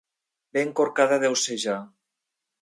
Ben corcada deu ser ja.